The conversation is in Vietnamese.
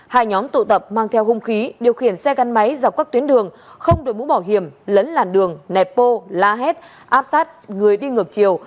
hai nhóm tụ tập mang theo hung khí điều khiển xe gắn máy dọc các tuyến đường không đổi mũ bảo hiểm lấn làn đường nẹt bô la hét áp sát người đi ngược chiều